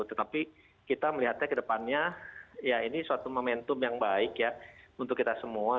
tetapi kita melihatnya ke depannya ya ini suatu momentum yang baik ya untuk kita semua